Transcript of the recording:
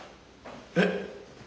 えっ？